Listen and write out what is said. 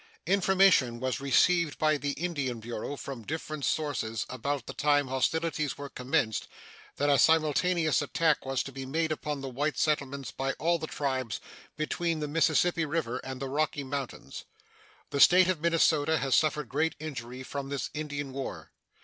Information was received by the Indian Bureau from different sources about the time hostilities were commenced that a simultaneous attack was to be made upon the white settlements by all the tribes between the Mississippi River and the Rocky Mountains. The State of Minnesota has suffered great injury from this Indian war.